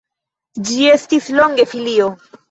Ĝi estis longe filio.